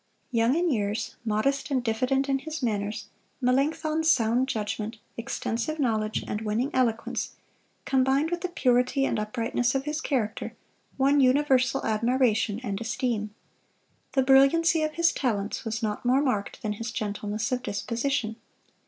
Young in years, modest and diffident in his manners, Melanchthon's sound judgment, extensive knowledge, and winning eloquence, combined with the purity and uprightness of his character, won universal admiration and esteem. The brilliancy of his talents was not more marked than his gentleness of disposition.